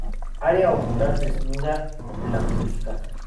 Área ocular desnuda blancuzca.